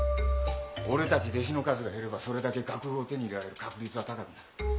俺たち弟子の数が減ればそれだけ楽譜を手に入れられる確率は高くなる。